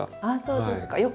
あっそうですか。